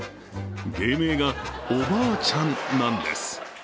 芸名が、おばあちゃんなんです。